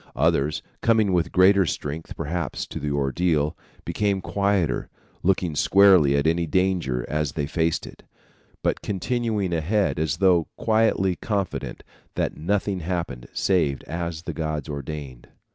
Others, coming with greater strength perhaps to the ordeal, became quieter, looking squarely at any danger as they face it, but continuing ahead as though quietly confident that nothing happened save as the gods ordained."